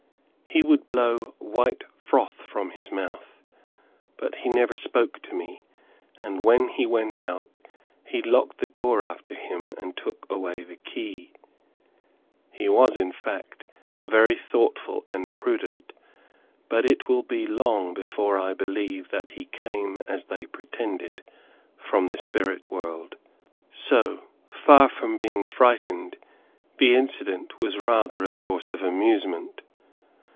He would blow white froth from his mouth, but he never spoke to me, and when he went out, he locked the door after him and took away the key. He was, in fact, very thoughtful and prudent, but it will be long before I believe that he came as they pretended, from the spirit world. So far from being frightened, the incident was rather a source of amusement.